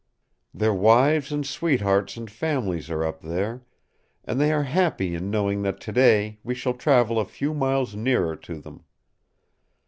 Their wives and sweethearts and families are up there, and they are happy in knowing that today we shall travel a few miles nearer to them.